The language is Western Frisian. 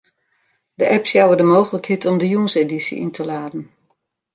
De apps jouwe de mooglikheid om de jûnsedysje yn te laden.